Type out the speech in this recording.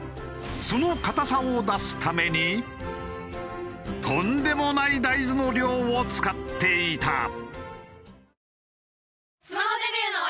その固さを出すためにとんでもない大豆の量を使っていた。